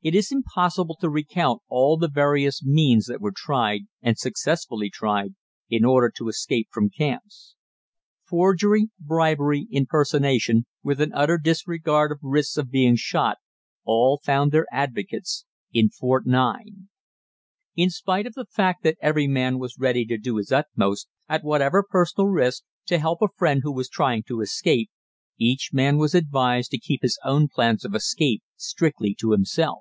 It is impossible to recount all the various means that were tried, and successfully tried, in order to escape from camps. Forgery, bribery, impersonation, with an utter disregard of risks of being shot, all found their advocates in Fort 9. In spite of the fact that every man was ready to do his utmost, at whatever personal risk, to help a friend who was trying to escape, each man was advised to keep his own plans of escape strictly to himself.